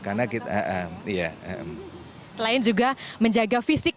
selain juga menjaga fisik